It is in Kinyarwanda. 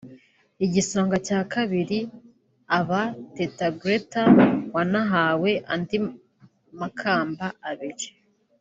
igisonga cya kabiri aba Teta Gretta wanahawe andi makamba abiri